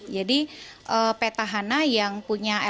jadi petahana yang punya elemen